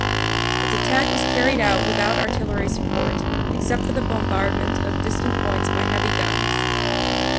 Its attack was carried out without artillery support, except for the bombardment of distant points by heavy guns.